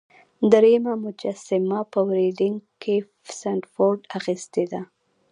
دریمه مجسمه په ریډینګ کې سنډفورډ اخیستې ده.